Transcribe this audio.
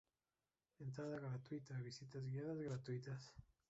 Entrada gratuita, visitas guiadas gratuitas.